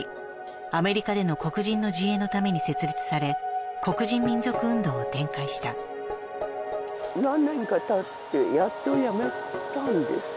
アメリカでの黒人の自衛のために設立され黒人民族運動を展開した何年かたってやっとやめたんです